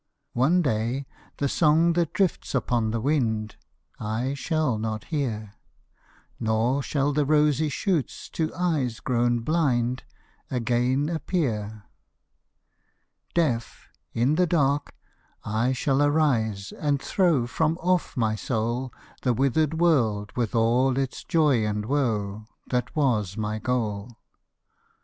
One day the song that drifts upon the wind, I shall not hear; Nor shall the rosy shoots to eyes grown blind Again appear. Deaf, in the dark, I shall arise and throw From off my soul, The withered world with all its joy and woe, That was my goal.